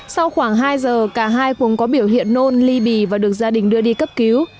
sau khoảng hai giờ cả hai cũng có biểu hiện nôn ly bì và được gia đình đưa đi cấp cứu